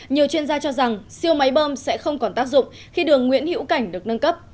nhiều chuyên gia cho rằng siêu máy bơm sẽ không còn tác dụng khi đường nguyễn hữu cảnh được nâng cấp